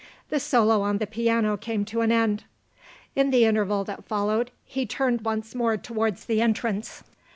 The solo on the piano came to an end. In the interval that followed, he turned once more towards the entrance.